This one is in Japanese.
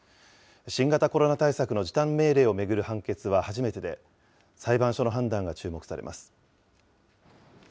新型コロナ対策の時短命令を巡る判決は初めてで、裁判所の判断が注目されます。